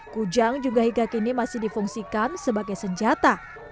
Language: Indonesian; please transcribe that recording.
kujang juga hingga kini masih difungsikan sebagai senjata